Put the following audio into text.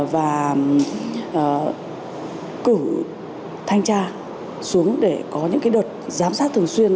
và cử thanh tra xuống để có những đợt giám sát thường xuyên